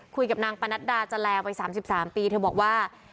คุยกับนางปะนัดดาจาแลวไปสามสิบสามปีเธอบอกว่า